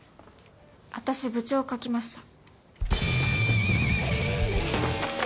私部長を描きました。